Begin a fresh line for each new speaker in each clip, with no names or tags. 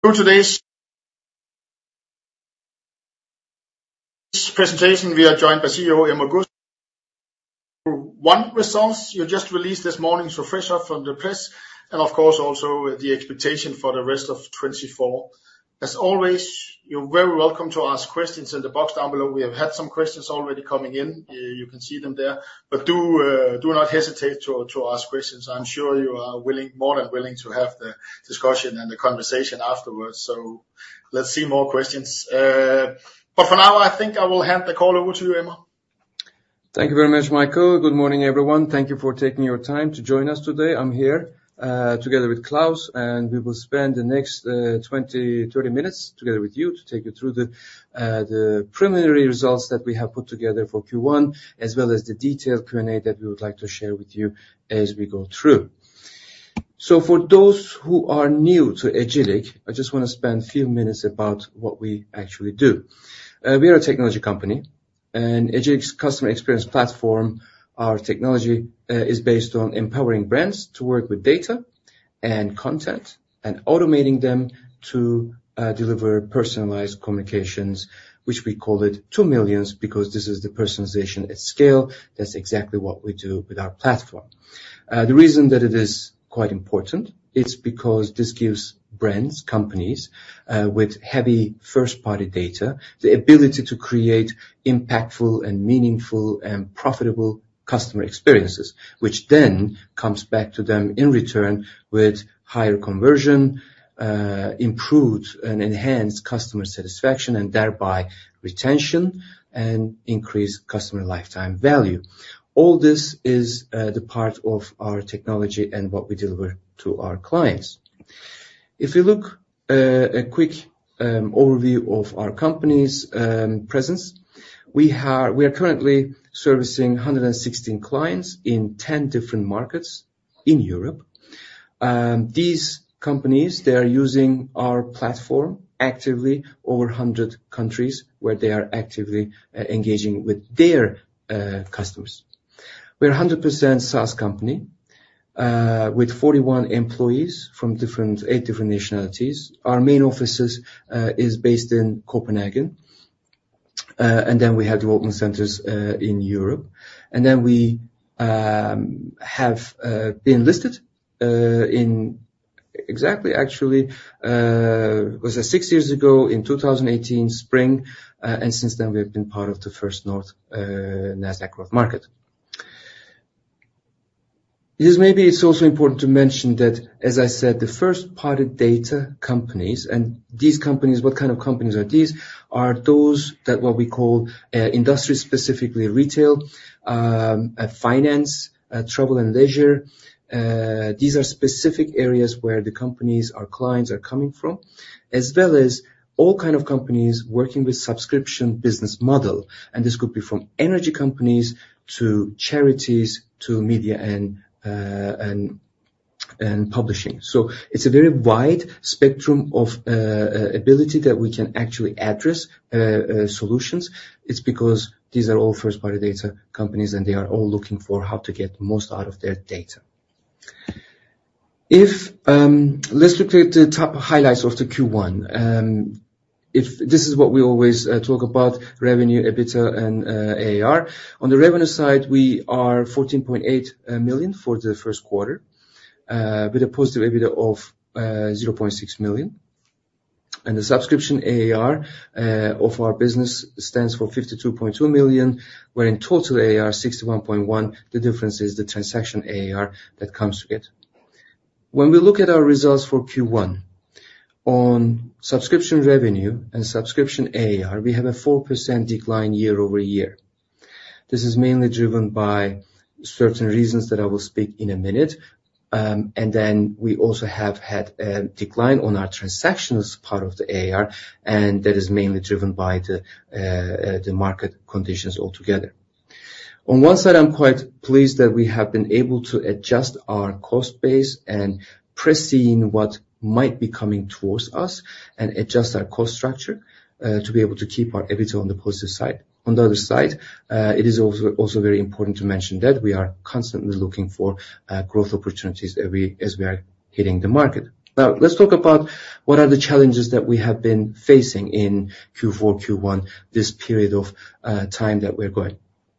Through today's presentation, we are joined by CEO Emre Gürsoy. On the results you just released this morning's press release, and of course, also the expectations for the rest of 2024. As always, you're very welcome to ask questions in the box down below. We have had some questions already coming in. You can see them there, but do not hesitate to ask questions. I'm sure you are more than willing to have the discussion and the conversation afterwards. So let's see more questions. But for now, I think I will hand the call over to you, Emre.
Thank you very much, Michael. Good morning, everyone. Thank you for taking your time to join us today. I'm here together with Claus, and we will spend the next 20-30 minutes together with you to take you through the preliminary results that we have put together for Q1, as well as the detailed Q&A that we would like to share with you as we go through. So for those who are new to Agillic, I just wanna spend a few minutes about what we actually do. We are a technology company, and Agillic's customer experience platform, our technology, is based on empowering brands to work with data and content, and automating them to deliver personalized communications, which we called it to millions, because this is the personalization at scale. That's exactly what we do with our platform. The reason that it is quite important, it's because this gives brands, companies, with heavy first-party data, the ability to create impactful and meaningful and profitable customer experiences, which then comes back to them in return with higher conversion, improved and enhanced customer satisfaction, and thereby retention and increased customer lifetime value. All this is the part of our technology and what we deliver to our clients. If you look, a quick overview of our company's presence, we are currently servicing 116 clients in 10 different markets in Europe. These companies, they are using our platform actively over 100 countries, where they are actively engaging with their customers. We're a 100% SaaS company, with 41 employees from eight different nationalities. Our main offices is based in Copenhagen, and then we have development centers in Europe. And then we have been listed in exactly actually was it six years ago in 2018, spring, and since then, we have been part of the Nasdaq First North Growth Market. This maybe it's also important to mention that, as I said, the first-party data companies and these companies, what kind of companies are these? Are those that what we call industry, specifically retail, finance, travel and leisure. These are specific areas where the companies, our clients, are coming from, as well as all kind of companies working with subscription business model, and this could be from energy companies, to charities, to media and, and, and publishing. So it's a very wide spectrum of ability that we can actually address solutions. It's because these are all first-party data companies, and they are all looking for how to get the most out of their data. Let's look at the top highlights of the Q1. If this is what we always talk about, revenue, EBITDA and ARR. On the revenue side, we are 14.8 million for the Q1, with a positive EBITDA of 0.6 million. And the subscription ARR of our business stands for 52.2 million, where in total ARR, 61.1 million, the difference is the transaction ARR that comes with it. When we look at our results for Q1, on subscription revenue and subscription ARR, we have a 4% decline year-over-year. This is mainly driven by certain reasons that I will speak in a minute, and then we also have had a decline on our transactions part of the ARR, and that is mainly driven by the market conditions altogether. On one side, I'm quite pleased that we have been able to adjust our cost base and perceiving what might be coming towards us, and adjust our cost structure to be able to keep our EBITDA on the positive side. On the other side, it is also very important to mention that we are constantly looking for growth opportunities as we are hitting the market. Now, let's talk about what are the challenges that we have been facing in Q4, Q1, this period of time that we're going.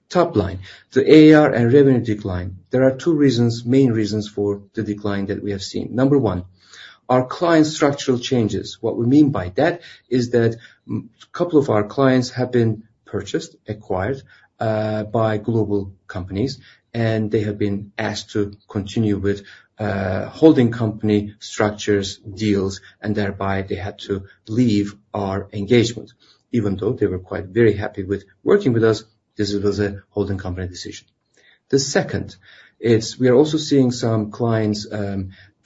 Top line, the ARR and revenue decline. There are two reasons, main reasons, for the decline that we have seen. Number one, our client structural changes. What we mean by that is that couple of our clients have been purchased, acquired, by global companies, and they have been asked to continue with, holding company structures, deals, and thereby they had to leave our engagement. Even though they were quite very happy with working with us, this was a holding company decision. The second is we are also seeing some clients,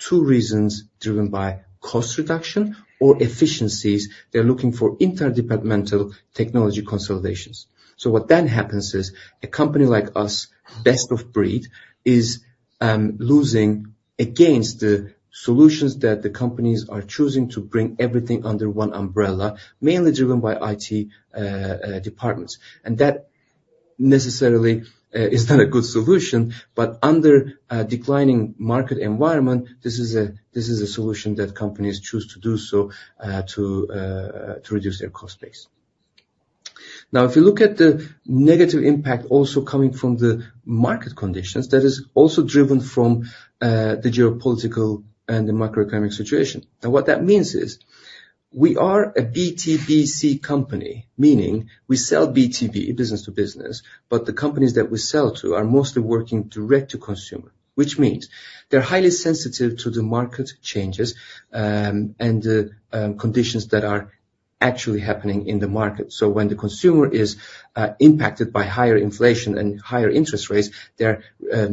two reasons driven by cost reduction or efficiencies. They're looking for interdepartmental technology consolidations. So what then happens is, a company like us, best of breed, is, losing against the solutions that the companies are choosing to bring everything under one umbrella, mainly driven by IT, departments. And that-... necessarily, is not a good solution, but under a declining market environment, this is a solution that companies choose to do so, to reduce their cost base. Now, if you look at the negative impact also coming from the market conditions, that is also driven from the geopolitical and the macroeconomic situation. What that means is, we are a B2B2C company, meaning we sell B2B, business to business, but the companies that we sell to are mostly working direct to consumer. Which means they're highly sensitive to the market changes, and the conditions that are actually happening in the market. So when the consumer is impacted by higher inflation and higher interest rates, they're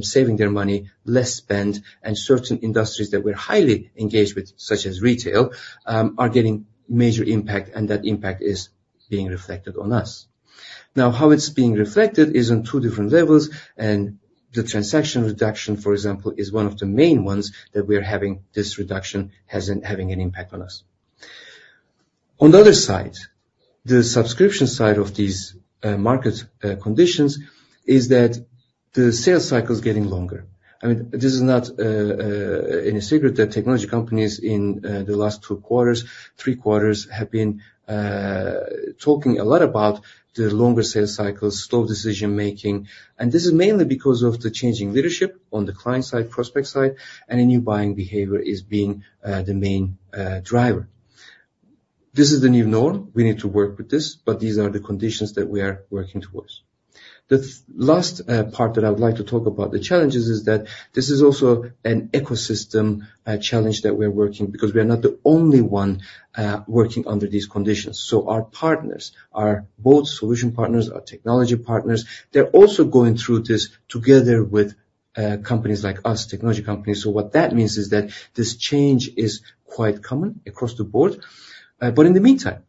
saving their money, less spend, and certain industries that we're highly engaged with, such as retail, are getting major impact, and that impact is being reflected on us. Now, how it's being reflected is on two different levels, and the transaction reduction, for example, is one of the main ones that we are having this reduction, having an impact on us. On the other side, the subscription side of these market conditions, is that the sales cycle is getting longer. I mean, this is not any secret that technology companies in the last Q2, Q3, have been talking a lot about the longer sales cycle, slow decision-making, and this is mainly because of the changing leadership on the client side, prospect side, and a new buying behavior is being the main driver. This is the new norm. We need to work with this, but these are the conditions that we are working towards. The last part that I would like to talk about, the challenges, is that this is also an ecosystem challenge that we're working, because we are not the only one working under these conditions. So our partners are both solution partners or technology partners. They're also going through this together with companies like us, technology companies. So what that means is that this change is quite common across the board. But in the meantime,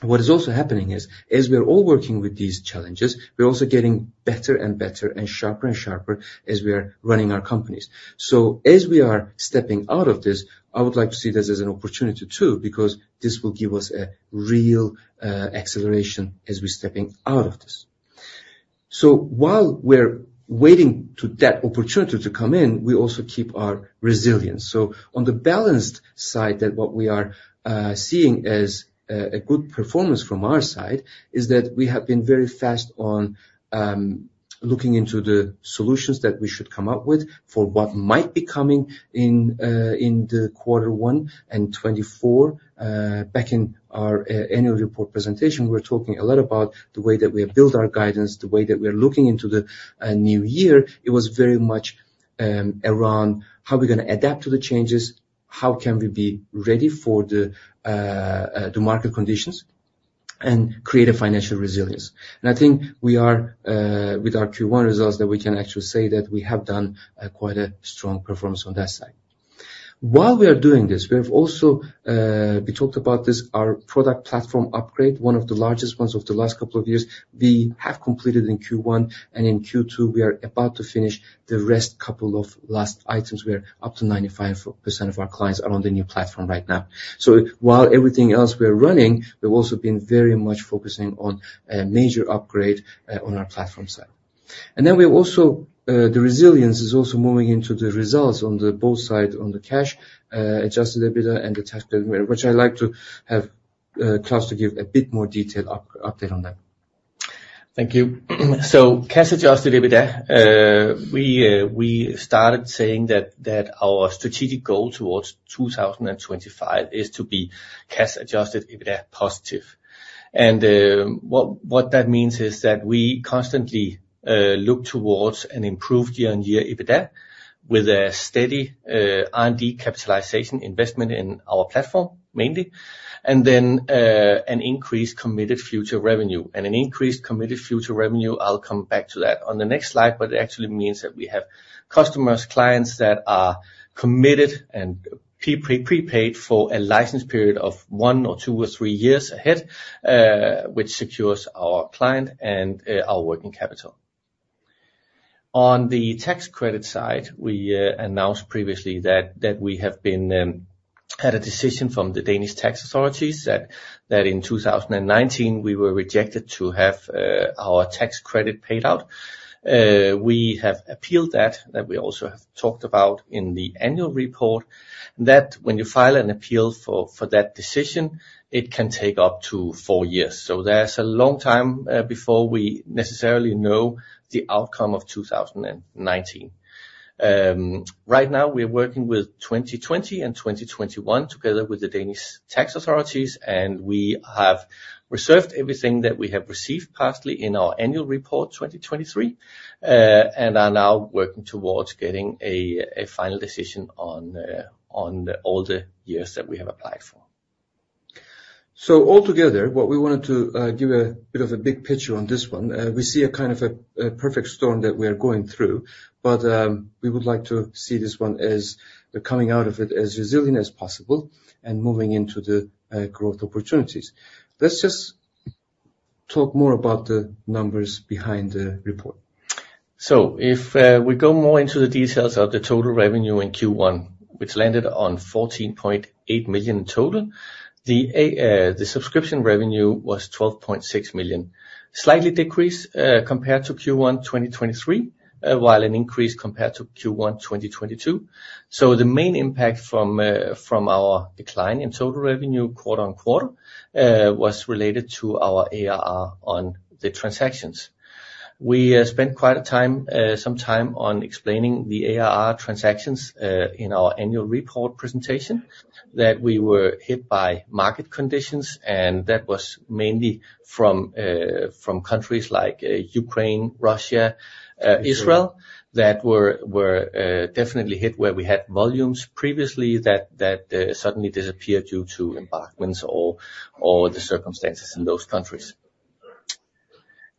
what is also happening is, as we are all working with these challenges, we're also getting better and better and sharper and sharper as we are running our companies. So as we are stepping out of this, I would like to see this as an opportunity too, because this will give us a real acceleration as we're stepping out of this. So while we're waiting to that opportunity to come in, we also keep our resilience. So on the balanced side, that what we are seeing as a good performance from our side, is that we have been very fast on looking into the solutions that we should come up with for what might be coming in in the Q1 and 2024. Back in our annual report presentation, we're talking a lot about the way that we have built our guidance, the way that we're looking into the new year. It was very much around how we're gonna adapt to the changes, how can we be ready for the market conditions, and create a financial resilience. I think we are, with our Q1 results, that we can actually say that we have done quite a strong performance on that side. While we are doing this, we have also, we talked about this, our product platform upgrade, one of the largest ones of the last couple of years, we have completed in Q1, and in Q2, we are about to finish the rest couple of last items. We are up to 95% of our clients are on the new platform right now. So while everything else we are running, we've also been very much focusing on a major upgrade on our platform side. And then we also the resilience is also moving into the results on both sides, on the cash adjusted EBITDA and the tax EBITDA, which I'd like to have Claus to give a bit more detail update on that.
Thank you. So cash adjusted EBITDA, we, we started saying that, that our strategic goal towards 2025 is to be cash-adjusted EBITDA positive. And, what, what that means is that we constantly look towards an improved year-on-year EBITDA with a steady R&D capitalization investment in our platform, mainly, and then an increased committed future revenue. And an increased committed future revenue, I'll come back to that on the next slide, but it actually means that we have customers, clients that are committed and pre-paid for a license period of one or two or three years ahead, which secures our client and our working capital. On the tax credit side, we announced previously that we have had a decision from the Danish Tax Authorities, that in 2019, we were rejected to have our tax credit paid out. We have appealed that we also have talked about in the annual report, that when you file an appeal for that decision, it can take up to four years. So there's a long time before we necessarily know the outcome of 2019. Right now, we're working with 2020 and 2021, together with the Danish Tax Authorities, and we have reserved everything that we have received partially in our annual report, 2023, and are now working towards getting a final decision on all the years that we have applied for.
So altogether, what we wanted to give a bit of a big picture on this one, we see a kind of perfect storm that we are going through, but we would like to see this one as coming out of it as resilient as possible and moving into the growth opportunities. Let's just talk more about the numbers behind the report....
So if we go more into the details of the total revenue in Q1, which landed on 14.8 million in total, the subscription revenue was 12.6 million. Slightly decrease compared to Q1 2023, while an increase compared to Q1 2022. So the main impact from our decline in total revenue quarter-on-quarter was related to our ARR on the transactions. We spent quite a time, some time on explaining the ARR transactions in our annual report presentation, that we were hit by market conditions, and that was mainly from countries like Ukraine, Russia, Israel, that were definitely hit where we had volumes previously that suddenly disappeared due to embargoes or the circumstances in those countries.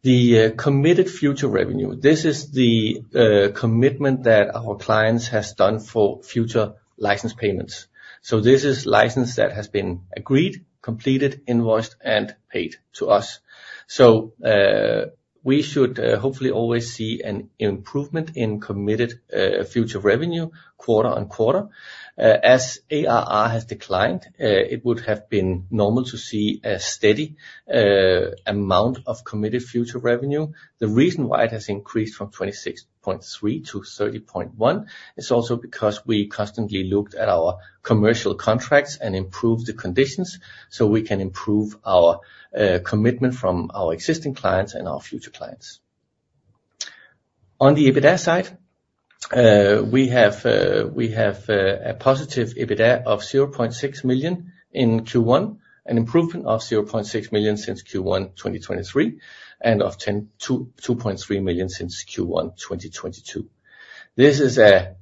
The committed future revenue. This is the commitment that our clients has done for future license payments. So this is license that has been agreed, completed, invoiced, and paid to us. So, we should hopefully always see an improvement in committed future revenue quarter-on-quarter. As ARR has declined, it would have been normal to see a steady amount of committed future revenue. The reason why it has increased from 26.3-30.1 is also because we constantly looked at our commercial contracts and improved the conditions, so we can improve our commitment from our existing clients and our future clients. On the EBITDA side, we have a positive EBITDA of 0.6 million in Q1, an improvement of 0.6 million since Q1 2023, and of ten... 2.3 million since Q1 2022. This is a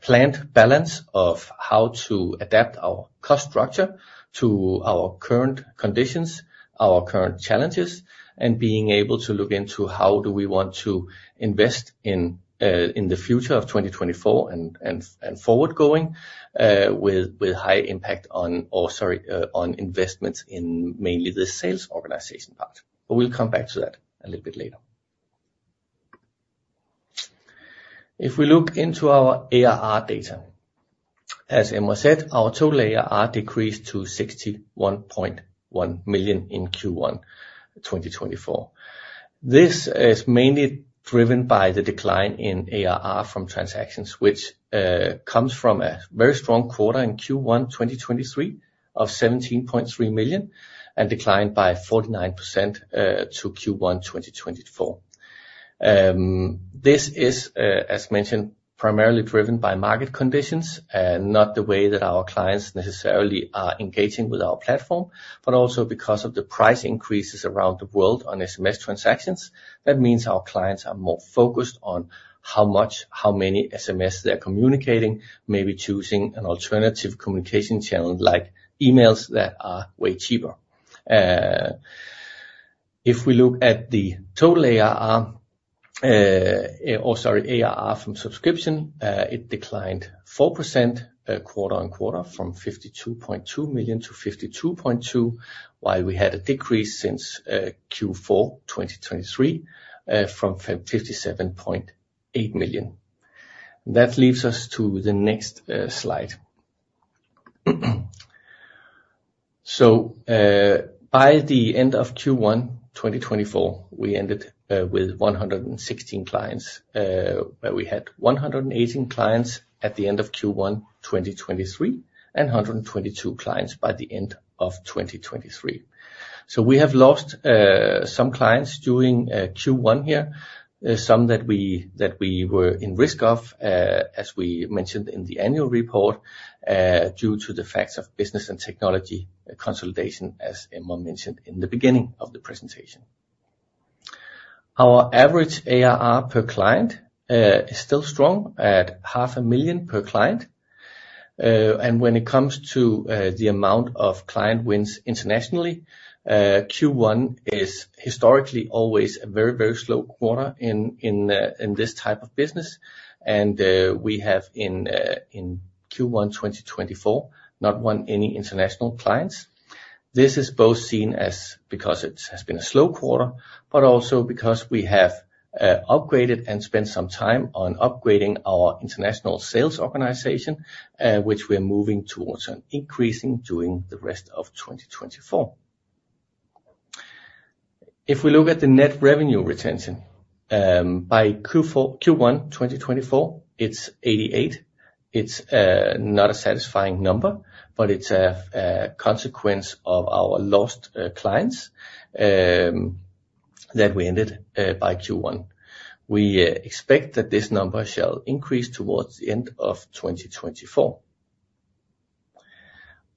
planned balance of how to adapt our cost structure to our current conditions, our current challenges, and being able to look into how do we want to invest in the future of 2024 and forward going with high impact on or sorry on investments in mainly the sales organization part. But we'll come back to that a little bit later. If we look into our ARR data, as Emre said, our total ARR decreased to 61.1 million in Q1 2024. This is mainly driven by the decline in ARR from transactions, which comes from a very strong quarter in Q1 2023 of 17.3 million, and declined by 49% to Q1 2024. This is, as mentioned, primarily driven by market conditions, not the way that our clients necessarily are engaging with our platform, but also because of the price increases around the world on SMS transactions. That means our clients are more focused on how much, how many SMS they're communicating, maybe choosing an alternative communication channel, like emails that are way cheaper. If we look at the total ARR, ARR from subscription, it declined 4%, quarter-on-quarter from 52.2 million to 52.2 million, while we had a decrease since Q4 2023 from 57.8 million. That leads us to the next slide. By the end of Q1 2024, we ended with 116 clients, where we had 118 clients at the end of Q1 2023, and 122 clients by the end of 2023. We have lost some clients during Q1 here, some that we were at risk of, as we mentioned in the annual report, due to the fact of business and technology consolidation, as Emre mentioned in the beginning of the presentation. Our average ARR per client is still strong at 500,000 per client. And when it comes to the amount of client wins internationally, Q1 is historically always a very, very slow quarter in this type of business. We have in Q1 2024 not won any international clients. This is both seen as because it has been a slow quarter, but also because we have upgraded and spent some time on upgrading our international sales organization, which we're moving towards an increasing during the rest of 2024. If we look at the net revenue retention by Q1 2024, it's 88. It's not a satisfying number, but it's a consequence of our lost clients that we ended by Q1. We expect that this number shall increase towards the end of 2024.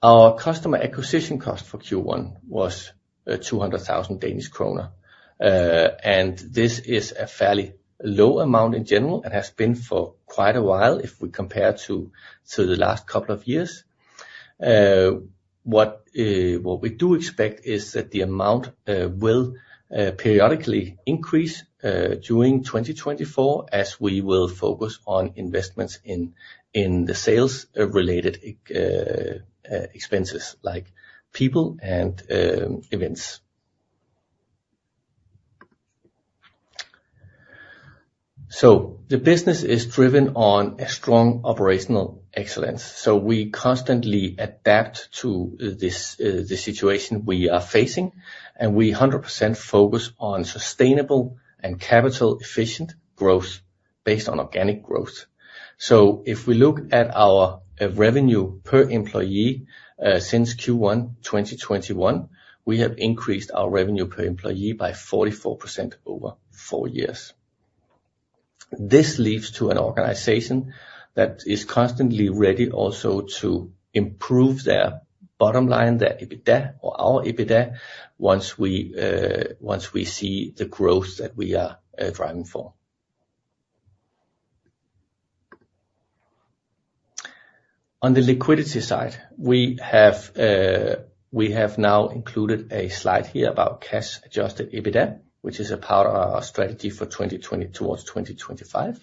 Our customer acquisition cost for Q1 was 200,000 Danish kroner, and this is a fairly low amount in general, and has been for quite a while, if we compare to the last couple of years. What we do expect is that the amount will periodically increase during 2024, as we will focus on investments in the sales-related expenses, like people and events. So the business is driven on a strong operational excellence, so we constantly adapt to this, the situation we are facing, and we 100% focus on sustainable and capital efficient growth based on organic growth. So if we look at our revenue per employee since Q1 2021, we have increased our revenue per employee by 44% over four years. This leads to an organization that is constantly ready also to improve their bottom line, their EBITDA, or our EBITDA, once we see the growth that we are driving for. On the liquidity side, we have, we have now included a slide here about cash-adjusted EBITDA, which is a part of our strategy for 2020 towards 2025.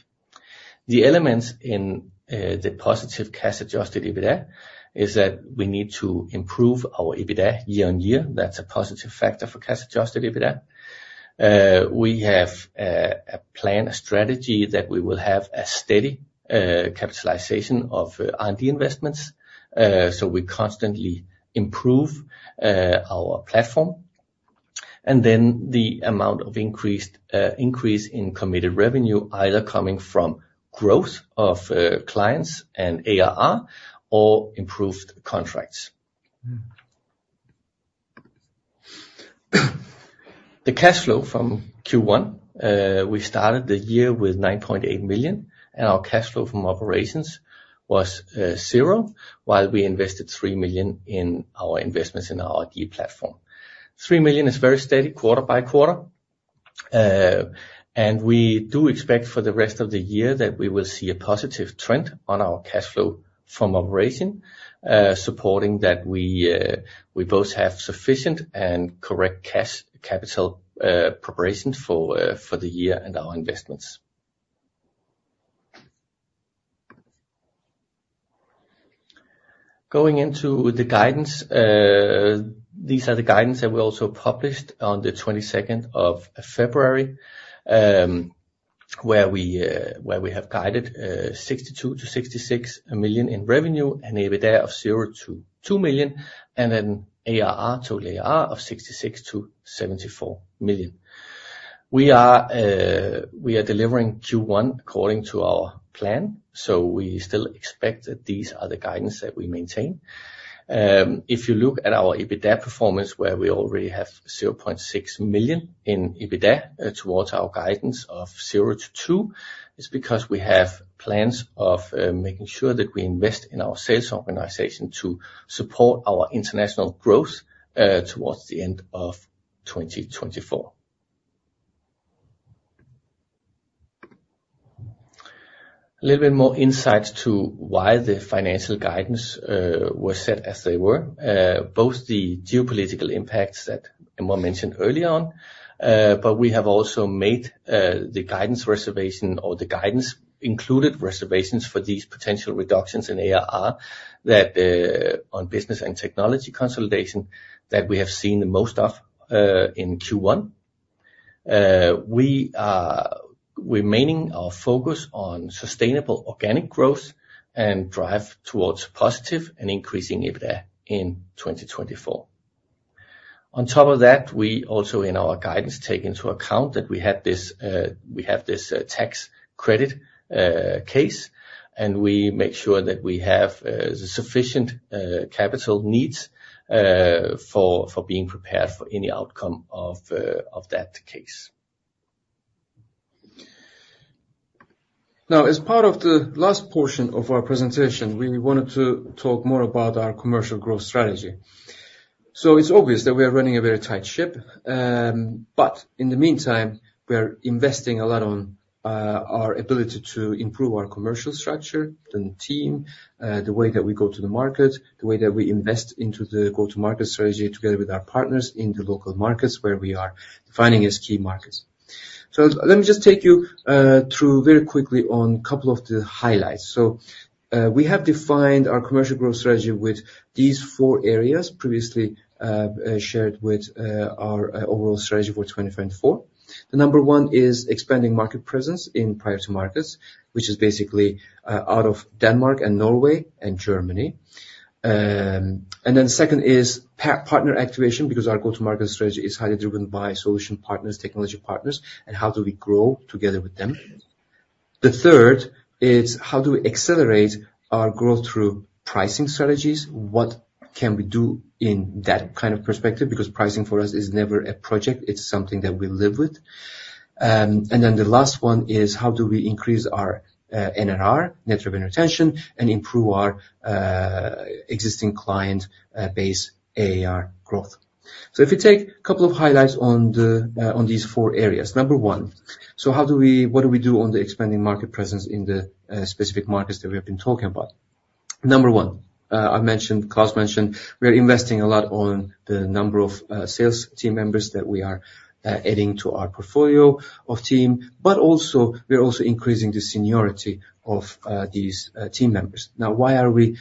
The elements in, the positive cash-adjusted EBITDA, is that we need to improve our EBITDA year-on-year. That's a positive factor for cash-adjusted EBITDA. We have, a plan, a strategy, that we will have a steady, capitalization of, R&D investments. So we constantly improve, our platform, and then the amount of increased, increase in committed revenue, either coming from growth of, clients and ARR or improved contracts. The cash flow from Q1, we started the year with 9.8 million, and our cash flow from operations was, 0, while we invested 3 million in our investments in our R&D platform. 3 million is very steady quarter-by-quarter, and we do expect for the rest of the year that we will see a positive trend on our cash flow from operation, supporting that we, we both have sufficient and correct cash, capital, preparations for, for the year and our investments. Going into the guidance, these are the guidance that we also published on the twenty-second of February, where we, where we have guided, 62-66 million in revenue and EBITDA of 0-2 million, and then ARR, total ARR of 66-74 million. We are, we are delivering Q1 according to our plan, so we still expect that these are the guidance that we maintain. If you look at our EBITDA performance, where we already have 0.6 million in EBITDA, towards our guidance of 0-2 million, it's because we have plans of making sure that we invest in our sales organization to support our international growth, towards the end of 2024. A little bit more insight to why the financial guidance was set as they were. Both the geopolitical impacts that Emre mentioned early on, but we have also made the guidance reservation or the guidance included reservations for these potential reductions in ARR, that on business and technology consolidation, that we have seen the most of in Q1. We are remaining our focus on sustainable organic growth and drive towards positive and increasing EBITDA in 2024. On top of that, we also, in our guidance, take into account that we had this, we have this tax credit case, and we make sure that we have sufficient capital needs for being prepared for any outcome of that case.
Now, as part of the last portion of our presentation, we wanted to talk more about our commercial growth strategy. It's obvious that we are running a very tight ship, but in the meantime, we are investing a lot on our ability to improve our commercial structure and team, the way that we go to the market, the way that we invest into the go-to-market strategy together with our partners in the local markets where we are defining as key markets. Let me just take you through very quickly on a couple of the highlights. We have defined our commercial growth strategy with these four areas previously shared with our overall strategy for 2024. The number one is expanding market presence in priority markets, which is basically out of Denmark and Norway and Germany. And then second is partner activation, because our go-to-market strategy is highly driven by solution partners, technology partners, and how do we grow together with them. The third is how do we accelerate our growth through pricing strategies? What can we do in that kind of perspective? Because pricing for us is never a project, it's something that we live with. And then the last one is: how do we increase our NRR, net revenue retention, and improve our existing client base ARR growth? So if you take a couple of highlights on the, on these four areas. Number one, so how do we, what do we do on the expanding market presence in the specific markets that we have been talking about? Number one, I mentioned, Claus mentioned, we are investing a lot on the number of sales team members that we are adding to our portfolio of team, but also we're also increasing the seniority of these team members. Now, why are we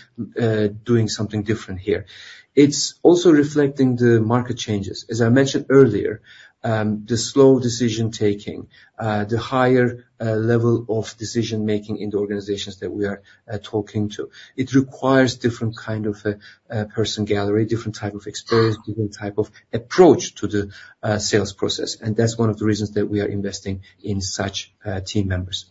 doing something different here? It's also reflecting the market changes. As I mentioned earlier, the slow decision-taking, the higher level of decision-making in the organizations that we are talking to, it requires different kind of person gallery, different type of experience, different type of approach to the sales process, and that's one of the reasons that we are investing in such team members.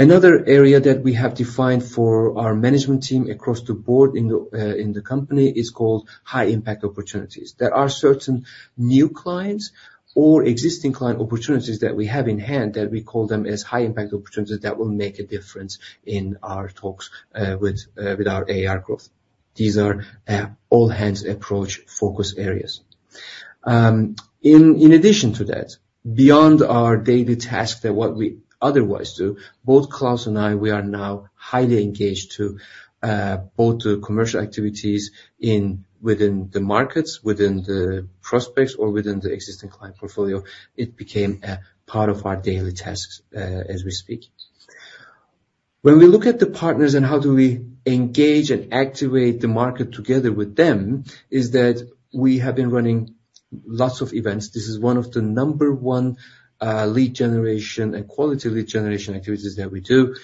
Another area that we have defined for our management team across the board in the company is called high impact opportunities. There are certain new clients or existing client opportunities that we have in hand that we call them as high impact opportunities that will make a difference in our talks with our ARR growth. These are all hands approach focus areas. In addition to that, beyond our daily tasks that what we otherwise do, both Claus and I, we are now highly engaged to both the commercial activities in within the markets, within the prospects, or within the existing client portfolio. It became a part of our daily tasks as we speak. When we look at the partners and how do we engage and activate the market together with them, is that we have been running lots of events. This is one of the number one, lead generation and quality lead generation activities that we do.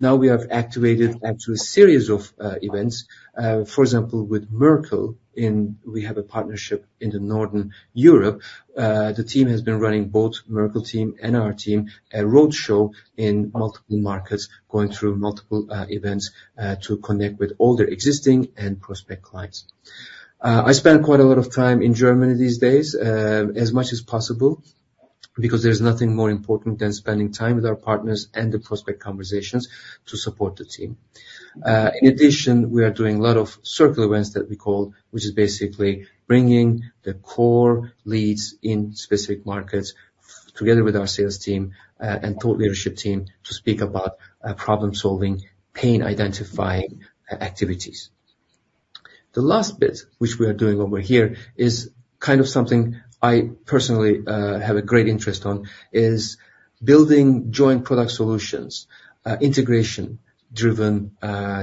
Now we have activated actually a series of events. For example, with Merkle, we have a partnership in Northern Europe. The team has been running both Merkle team and our team, a roadshow in multiple markets, going through multiple events, to connect with all their existing and prospect clients. I spend quite a lot of time in Germany these days, as much as possible, because there's nothing more important than spending time with our partners and the prospect conversations to support the team. In addition, we are doing a lot of circle events that we call, which is basically bringing the core leads in specific markets together with our sales team, and thought leadership team, to speak about, problem-solving, pain identifying, activities. The last bit, which we are doing over here, is kind of something I personally have a great interest on, is building joint product solutions, integration-driven,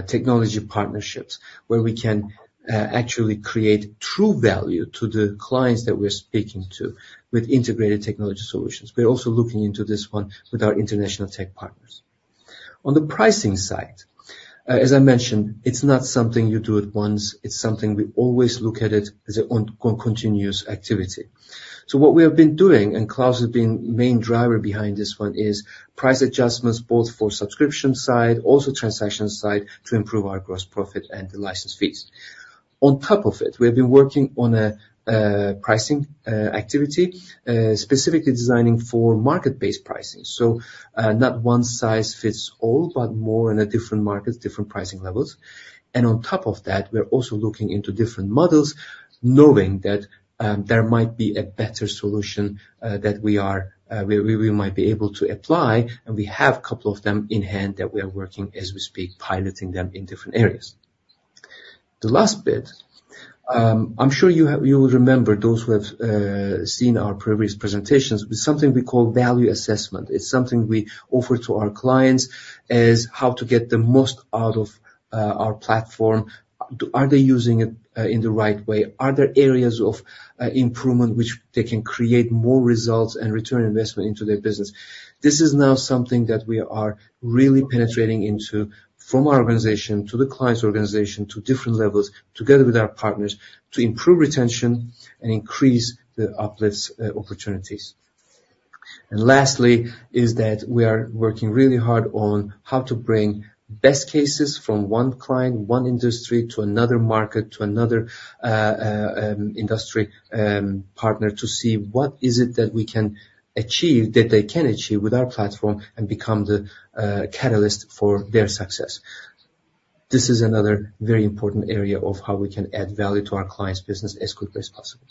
technology partnerships, where we can actually create true value to the clients that we're speaking to with integrated technology solutions. We're also looking into this one with our international tech partners. On the pricing side, as I mentioned, it's not something you do it once, it's something we always look at it as an ongoing continuous activity. So what we have been doing, and Claus has been main driver behind this one, is price adjustments, both for subscription side, also transaction side, to improve our gross profit and the license fees. On top of it, we have been working on a pricing activity specifically designing for market-based pricing. So, not one size fits all, but more in a different market, different pricing levels. And on top of that, we are also looking into different models, knowing that there might be a better solution that we might be able to apply, and we have a couple of them in hand that we are working as we speak, piloting them in different areas. The last bit, I'm sure you will remember those who have seen our previous presentations, with something we call value assessment. It's something we offer to our clients, is how to get the most out of, our platform. Are they using it, in the right way? Are there areas of, improvement which they can create more results and return investment into their business? This is now something that we are really penetrating into, from our organization, to the client's organization, to different levels, together with our partners, to improve retention and increase the uplifts, opportunities. And lastly, is that we are working really hard on how to bring best cases from one client, one industry, to another market, to another, industry, partner, to see what is it that we can achieve, that they can achieve with our platform, and become the, catalyst for their success. This is another very important area of how we can add value to our clients' business as quickly as possible.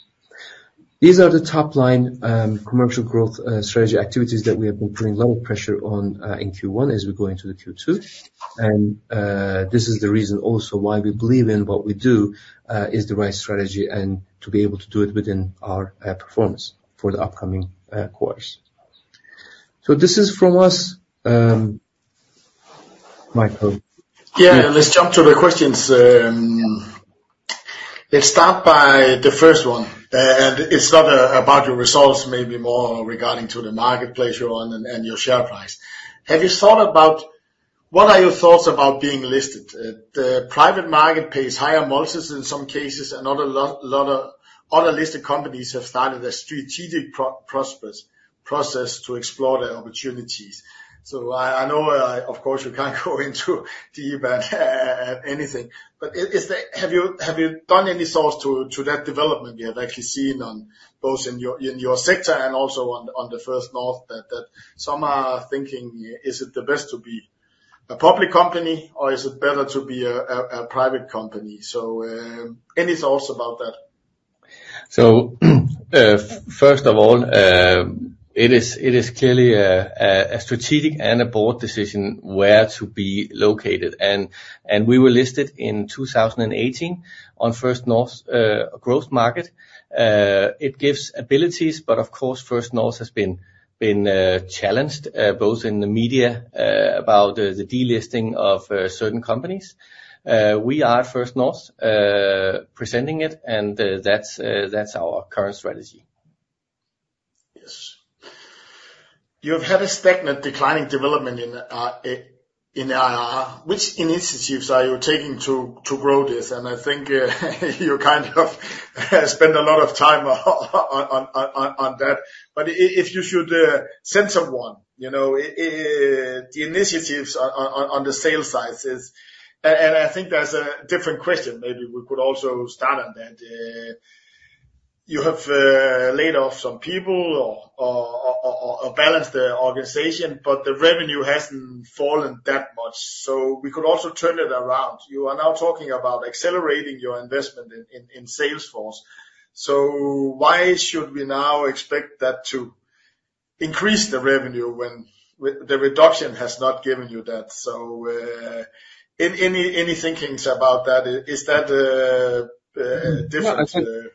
These are the top line, commercial growth, strategy activities that we have been putting a lot of pressure on in Q1 as we go into the Q2. This is the reason also why we believe in what we do is the right strategy and to be able to do it within our performance for the upcoming quarters. So this is from us, Michael?
Yeah, let's jump to the questions. Let's start by the first one, and it's not about your results, maybe more regarding to the marketplace you're on and, and your share price. Have you thought about... What are your thoughts about being listed? The private market pays higher margins in some cases, and lot of other listed companies have started a strategic process to explore their opportunities. So I know, of course, you can't go into the event anything, but is there—have you done any source to that development you have actually seen both in your sector and also on the First North, that some are thinking, "Is it the best to be a public company or is it better to be a private company?" So, any thoughts about that? ...
So, first of all, it is clearly a strategic and a board decision where to be located. And we were listed in 2018 on First North Growth Market. It gives abilities, but of course, First North has been challenged both in the media about the delisting of certain companies. We are at First North, presenting it, and that's our current strategy.
Yes. You've had a stagnant declining development in which initiatives are you taking to grow this? And I think you kind of spend a lot of time on that. But if you should pick one, you know, the initiatives on the sales side is... And I think that's a different question. Maybe we could also start on that. You have laid off some people or balanced the organization, but the revenue hasn't fallen that much, so we could also turn it around. You are now talking about accelerating your investment in sales force. So why should we now expect that to increase the revenue when the reduction has not given you that? So, any thoughts about that? Is that different?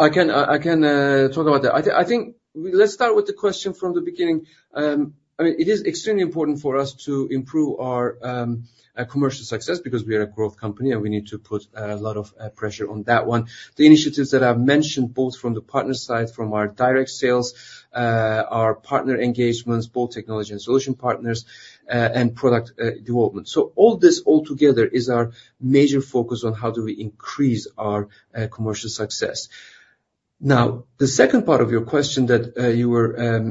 I can talk about that. I think let's start with the question from the beginning. I mean, it is extremely important for us to improve our commercial success because we are a growth company, and we need to put a lot of pressure on that one. The initiatives that I've mentioned, both from the partner side, from our direct sales, our partner engagements, both technology and solution partners, and product development. So all this together is our major focus on how do we increase our commercial success. Now, the second part of your question that you were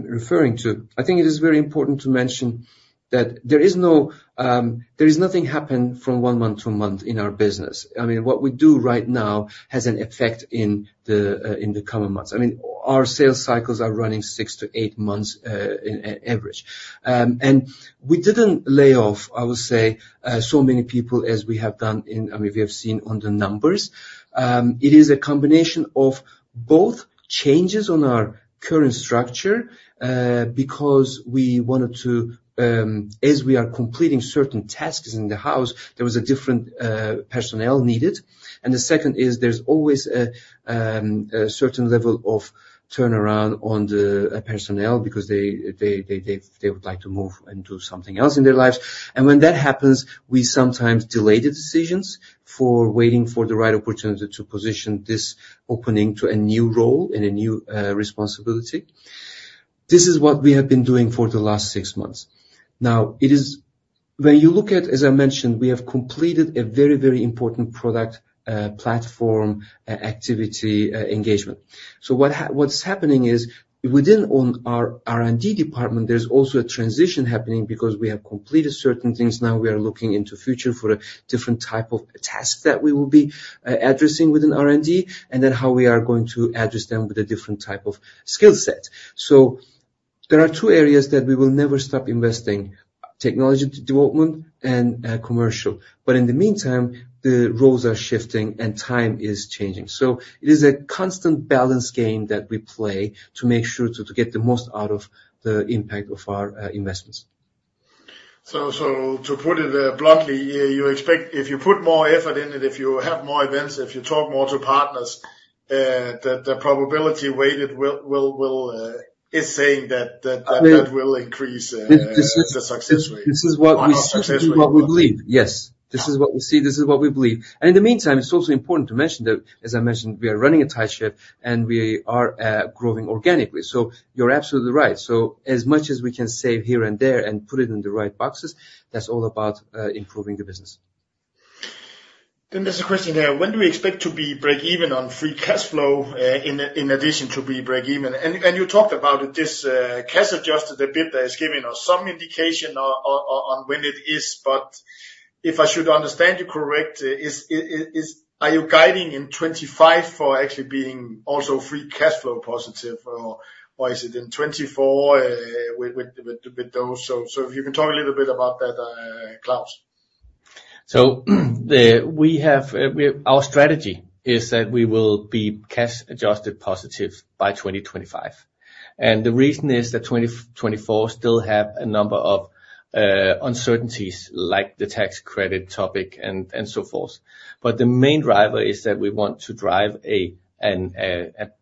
referring to, I think it is very important to mention that there is nothing happen from one month to a month in our business. I mean, what we do right now has an effect in the, in the coming months. I mean, our sales cycles are running 6-8 months average. And we didn't lay off, I would say, so many people as we have done. I mean, we have seen on the numbers. It is a combination of both changes on our current structure, because we wanted to, as we are completing certain tasks in the house, there was a different personnel needed. And the second is there's always a certain level of turnaround on the personnel because they would like to move and do something else in their lives. When that happens, we sometimes delay the decisions for waiting for the right opportunity to position this opening to a new role and a new responsibility. This is what we have been doing for the last six months. Now, it is when you look at, as I mentioned, we have completed a very, very important product platform activity engagement. So what's happening is, within our R&D department, there's also a transition happening because we have completed certain things, now we are looking into future for a different type of task that we will be addressing within R&D, and then how we are going to address them with a different type of skill set. So there are two areas that we will never stop investing: technology development and commercial. But in the meantime, the roles are shifting and time is changing. So it is a constant balance game that we play to make sure to get the most out of the impact of our investments.
So, to put it bluntly, you expect—if you put more effort in it, if you have more events, if you talk more to partners, the probability weighted will is saying that.
I mean-
will increase the success rate.
This is what we see, this is what we believe. Yes, this is what we see, this is what we believe. And in the meantime, it's also important to mention that, as I mentioned, we are running a tight ship, and we are growing organically. So you're absolutely right. So as much as we can save here and there and put it in the right boxes, that's all about improving the business.
Then there's a question here: When do we expect to be breakeven on free cash flow in addition to be breakeven? And you talked about this cash adjusted EBITDA, that is giving us some indication on when it is, but if I should understand you correct, is, are you guiding in 2025 for actually being also free cash flow positive, or is it in 2024 with those? So if you can talk a little bit about that, Claus.
So, we have, our strategy is that we will be cash adjusted positive by 2025. And the reason is that 2024 still have a number of, uncertainties, like the tax credit topic and, and so forth. But the main driver is that we want to drive an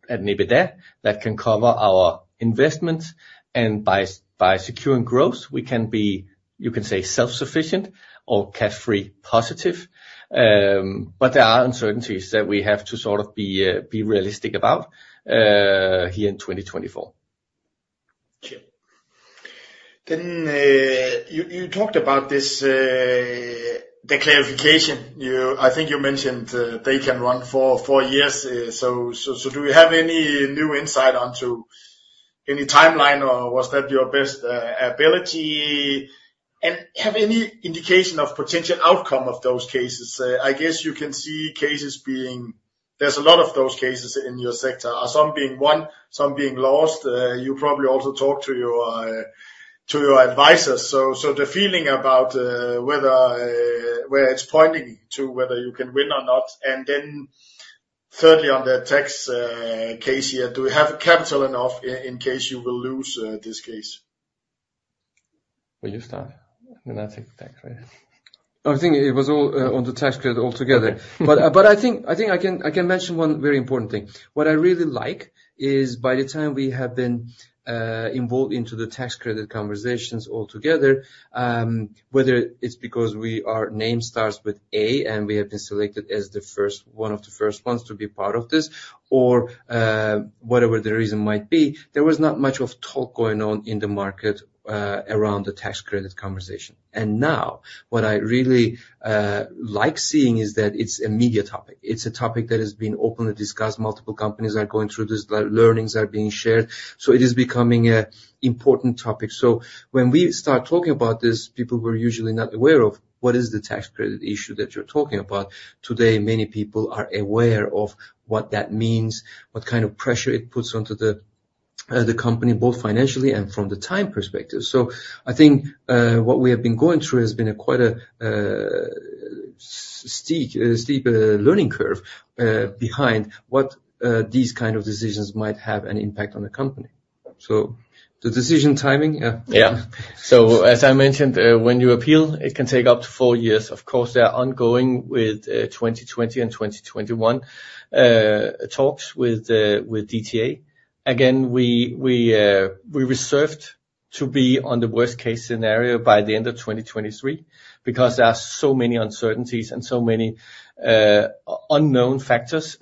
EBITDA that can cover our investments, and by securing growth, we can be, you can say, self-sufficient or cash free positive. But there are uncertainties that we have to sort of be realistic about, here in 2024.
Okay. Then, you talked about this, the clarification. I think you mentioned, they can run for four years. So, do you have any new insight onto any timeline, or was that your best ability? And have any indication of potential outcome of those cases? I guess you can see cases being. There's a lot of those cases in your sector, are some being won, some being lost, you probably also talk to your advisors. So the feeling about, whether where it's pointing to, whether you can win or not. And then thirdly, on the tax case here, do we have capital enough in case you will lose, this case?...
Will you start? Then I'll take the tax credit.
I think it was all on the tax credit altogether. But, but I think, I think I can, I can mention one very important thing. What I really like is by the time we have been involved into the tax credit conversations altogether, whether it's because we, our name starts with A, and we have been selected as the first, one of the first ones to be part of this, or, whatever the reason might be, there was not much of talk going on in the market around the tax credit conversation. And now, what I really like seeing is that it's a media topic. It's a topic that has been openly discussed, multiple companies are going through this, the learnings are being shared, so it is becoming a important topic. So when we start talking about this, people were usually not aware of what is the tax credit issue that you're talking about. Today, many people are aware of what that means, what kind of pressure it puts onto the company, both financially and from the time perspective. So I think what we have been going through has been quite a steep learning curve behind what these kind of decisions might have an impact on the company. So the decision timing? Yeah.
Yeah. So as I mentioned, when you appeal, it can take up to four years. Of course, they are ongoing with 2020 and 2021 talks with DTA. Again, we reserved to be on the worst-case scenario by the end of 2023 because there are so many uncertainties and so many unknown factors.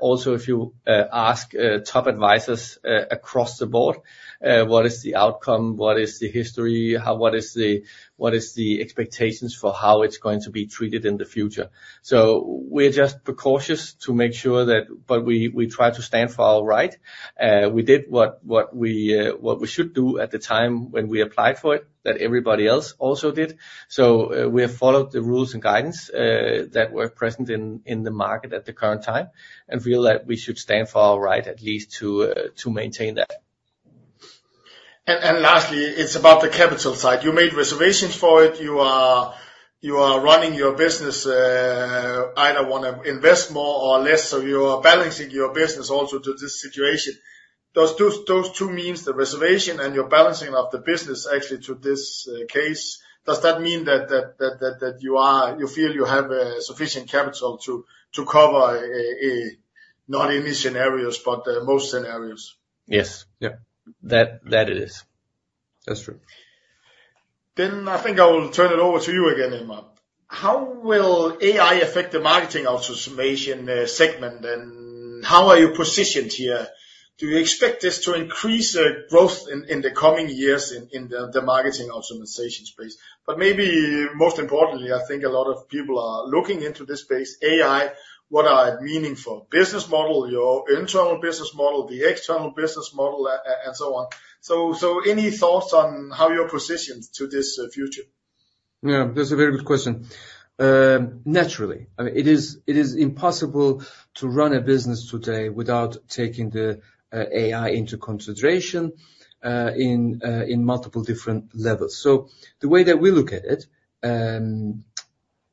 Also, if you ask top advisors across the board, what is the outcome? What is the history? What is the expectations for how it's going to be treated in the future? So we're just precautious to make sure that... But we try to stand for our right. We did what we should do at the time when we applied for it, that everybody else also did. So, we have followed the rules and guidance that were present in the market at the current time, and feel that we should stand for our right, at least to maintain that.
Lastly, it's about the capital side. You made reservations for it. You are running your business, either wanna invest more or less, so you are balancing your business also to this situation. Does those two means the reservation and your balancing of the business actually to this case, does that mean that you are-- you feel you have sufficient capital to cover, a, not any scenarios, but most scenarios?
Yes. Yep. That it is. That's true.
Then I think I will turn it over to you again, Emre. How will AI affect the marketing automation segment, and how are you positioned here? Do you expect this to increase growth in the coming years in the marketing optimization space? But maybe most importantly, I think a lot of people are looking into this space, AI, what are meaningful business model, your internal business model, the external business model, and so on. So any thoughts on how you're positioned to this future?
Yeah, that's a very good question. Naturally, I mean, it is, it is impossible to run a business today without taking the, AI into consideration, in, in multiple different levels. So the way that we look at it,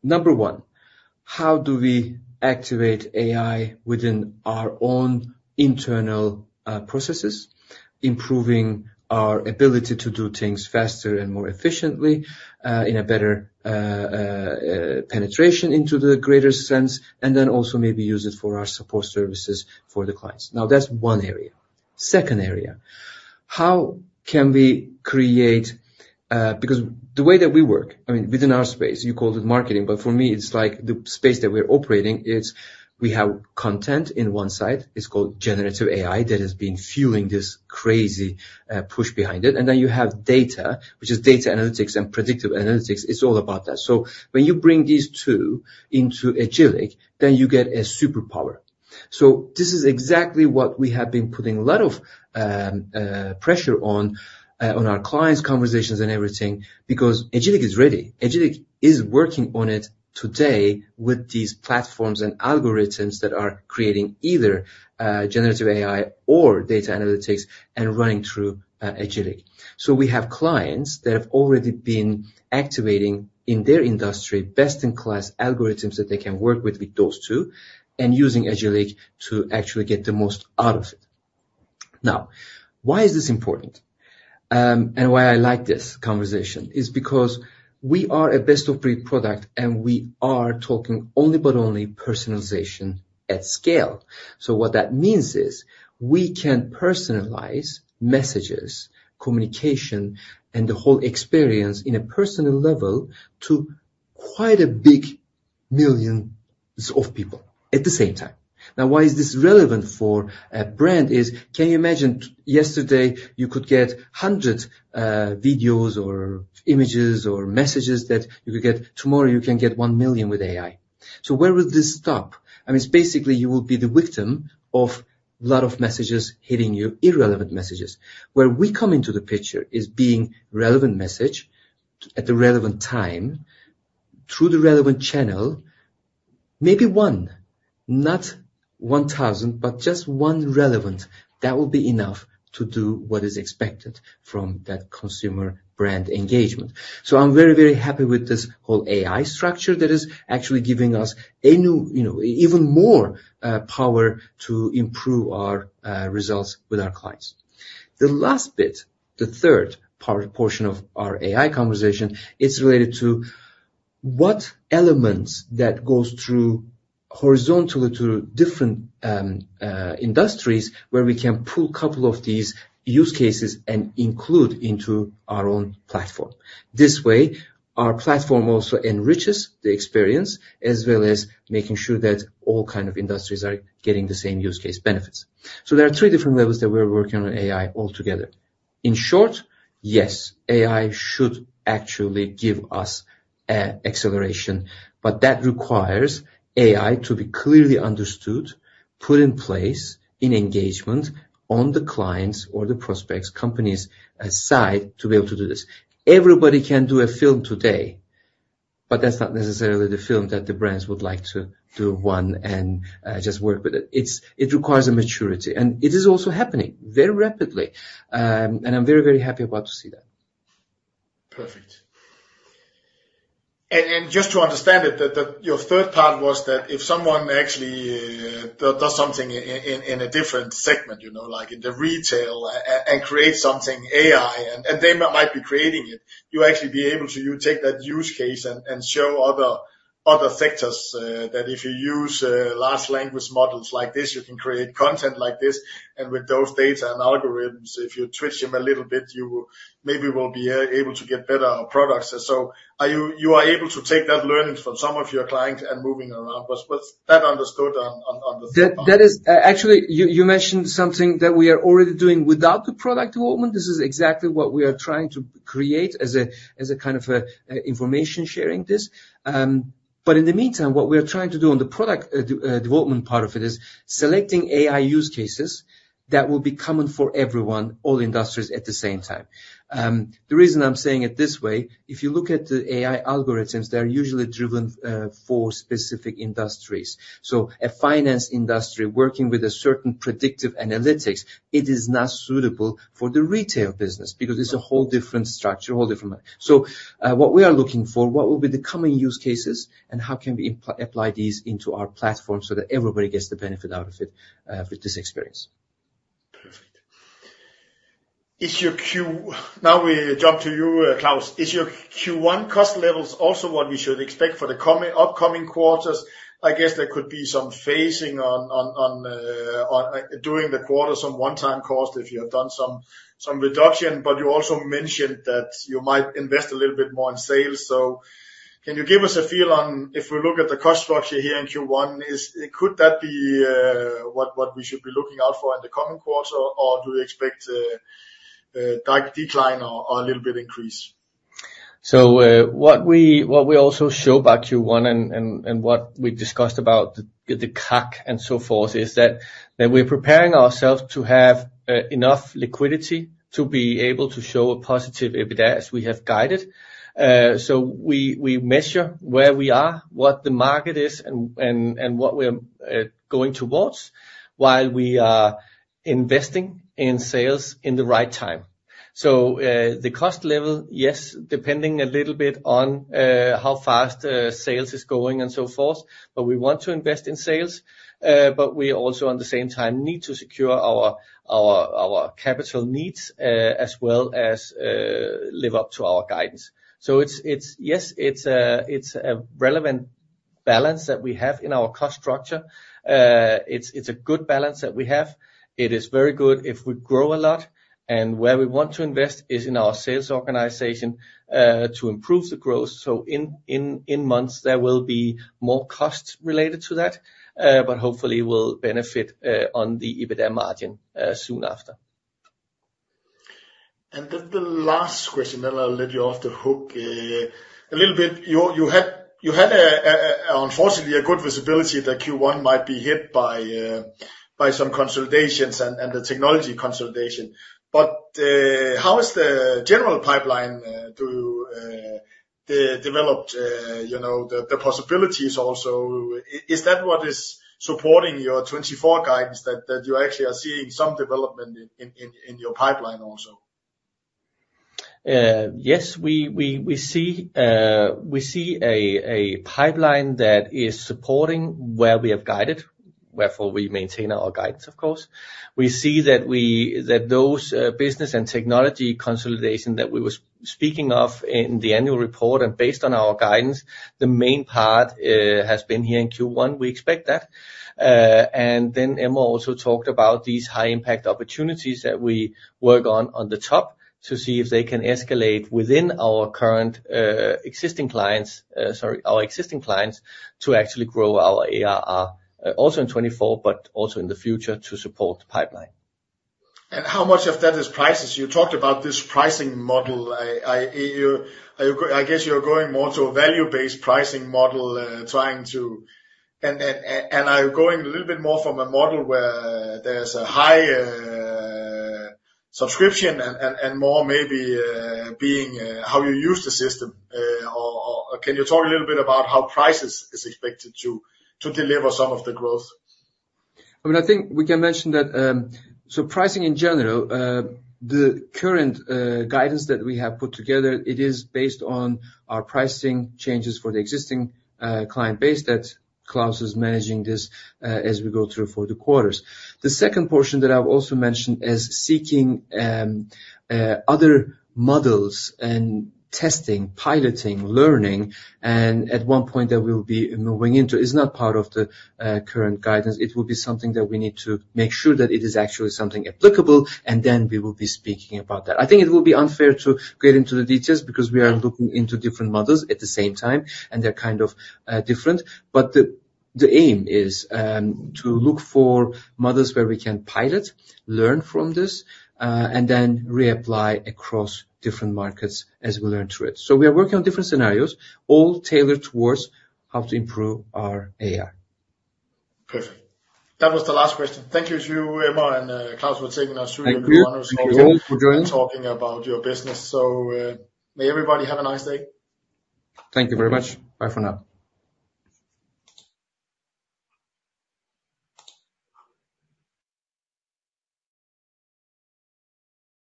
number one, how do we activate AI within our own internal, processes, improving our ability to do things faster and more efficiently, in a better, penetration into the greater sense, and then also maybe use it for our support services for the clients? Now, that's one area. Second area: how can we create... Because the way that we work, I mean, within our space, you called it marketing, but for me, it's like the space that we're operating, it's we have content in one side, it's called generative AI, that has been fueling this crazy, push behind it. Then you have data, which is data analytics and predictive analytics. It's all about that. When you bring these two into Agillic, then you get a superpower. This is exactly what we have been putting a lot of pressure on our clients' conversations and everything, because Agillic is ready. Agillic is working on it today with these platforms and algorithms that are creating either generative AI or data analytics and running through Agillic. We have clients that have already been activating in their industry, best-in-class algorithms that they can work with, with those two, and using Agillic to actually get the most out of it. Now, why is this important, and why I like this conversation? Is because we are a best-of-breed product, and we are talking only but only personalization at scale. So what that means is, we can personalize messages, communication, and the whole experience in a personal level to quite a big millions of people at the same time. Now, why is this relevant for a brand is, can you imagine yesterday, you could get 100 videos or images or messages that you could get. Tomorrow, you can get 1 million with AI. So where will this stop? I mean, it's basically you will be the victim of a lot of messages hitting you, irrelevant messages. Where we come into the picture is being relevant message at the relevant time, through the relevant channel. Maybe one, not 1,000, but just one relevant, that will be enough to do what is expected from that consumer-brand engagement. So I'm very, very happy with this whole AI structure that is actually giving us a new, you know, even more power to improve our results with our clients. The last bit, the third portion of our AI conversation, is related to what elements that goes through horizontally to different industries where we can pull couple of these use cases and include into our own platform? This way, our platform also enriches the experience, as well as making sure that all kind of industries are getting the same use case benefits. So there are three different levels that we're working on AI altogether. In short, yes, AI should actually give us acceleration, but that requires AI to be clearly understood, put in place in engagement on the clients or the prospects, companies aside, to be able to do this. Everybody can do a film today, but that's not necessarily the film that the brands would like to do one and, just work with it. It requires a maturity, and it is also happening very rapidly. I'm very, very happy about to see that.
Perfect. And just to understand it, that your third part was that if someone actually does something in a different segment, you know, like in the retail, and creates something AI, and they might be creating it, you actually be able to take that use case and show other sectors that if you use large language models like this, you can create content like this. And with those data and algorithms, if you tweak them a little bit, you maybe will be able to get better products. So are you able to take that learning from some of your clients and moving around? Was that understood on the third part?
That is actually something that you mentioned that we are already doing without the product development. This is exactly what we are trying to create as a kind of a information sharing this. But in the meantime, what we are trying to do on the product development part of it is selecting AI use cases that will be common for everyone, all industries at the same time. The reason I'm saying it this way, if you look at the AI algorithms, they're usually driven for specific industries. So a finance industry working with a certain predictive analytics, it is not suitable for the retail business because it's a whole different structure, a whole different. What we are looking for, what will be the coming use cases, and how can we apply these into our platform so that everybody gets the benefit out of it, with this experience?
Perfect. Is your Q-- Now, we jump to you, Claus. Is your Q1 cost levels also what we should expect for the coming, upcoming quarters? I guess there could be some phasing on during the quarter, some one-time cost if you have done some reduction. But you also mentioned that you might invest a little bit more in sales. So can you give us a feel on if we look at the cost structure here in Q1, is- could that be, what we should be looking out for in the coming quarter, or do we expect a decline or a little bit increase?
So, what we also show about Q1 and what we discussed about the CAC and so forth, is that we're preparing ourselves to have enough liquidity to be able to show a positive EBITDA as we have guided. So we measure where we are, what the market is, and what we're going towards, while we are investing in sales in the right time. So, the cost level, yes, depending a little bit on how fast sales is going and so forth, but we want to invest in sales. But we also, at the same time, need to secure our capital needs, as well as live up to our guidance. So it's... Yes, it's a relevant balance that we have in our cost structure. It's a good balance that we have. It is very good if we grow a lot, and where we want to invest is in our sales organization to improve the growth. So in months, there will be more costs related to that, but hopefully will benefit on the EBITDA margin soon after.
Then the last question, then I'll let you off the hook. A little bit, you had an unfortunately good visibility that Q1 might be hit by some consolidations and the technology consolidation. But how is the general pipeline to develop, you know, the possibilities also? Is that what is supporting your 2024 guidance, that you actually are seeing some development in your pipeline also?
Yes, we see a pipeline that is supporting where we have guided; therefore we maintain our guidance, of course. We see that those business and technology consolidation that we were speaking of in the annual report and based on our guidance, the main part has been here in Q1. We expect that. And then Emre also talked about these high impact opportunities that we work on, on the top to see if they can escalate within our existing clients to actually grow our ARR also in 2024, but also in the future to support the pipeline.
How much of that is prices? You talked about this pricing model. I guess you're going more to a value-based pricing model, trying to... And are you going a little bit more from a model where there's a high subscription and more maybe being how you use the system? Or can you talk a little bit about how prices is expected to deliver some of the growth?
I mean, I think we can mention that... So pricing in general, the current guidance that we have put together, it is based on our pricing changes for the existing client base that Claus is managing this, as we go through for the quarters. The second portion that I've also mentioned is seeking other models and testing, piloting, learning, and at one point that we'll be moving into. It's not part of the current guidance. It will be something that we need to make sure that it is actually something applicable, and then we will be speaking about that. I think it will be unfair to get into the details because we are looking into different models at the same time, and they're kind of different. But the aim is to look for models where we can pilot, learn from this, and then reapply across different markets as we learn through it. So we are working on different scenarios, all tailored towards how to improve our AI.
Perfect. That was the last question. Thank you to you, Emre and Claus, for taking us through your-
Thank you.
Thank you for joining.
Talking about your business. So, may everybody have a nice day.
Thank you very much. Bye for now.